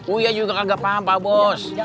oh iya juga kagak paham pak bos